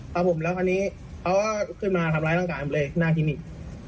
ครับผมแล้วคราวนี้เขาก็ขึ้นมาทำร้ายร่างกายผมเลยหน้าคลินิก